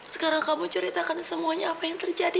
sekarang kamu ceritakan semuanya apa yang terjadi